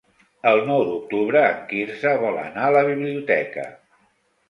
El nou d'octubre en Quirze vol anar a la biblioteca.